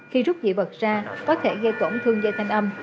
khi rút dị vật ra có thể gây tổn thương dây thanh âm